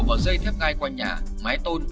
vào dây thép ngai quanh nhà mái tôn